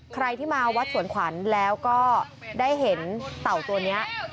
ใครที่มาวัดสวนขวัญแล้วก็ได้เห็นเต่าตัวนี้